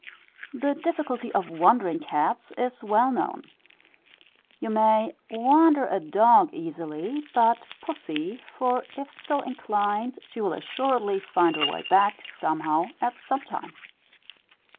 The difficulty of "wandering" cats is well known. You may "wander" a dog easily; but not pussy, for if so inclined, she will assuredly find her way back somehow at some time.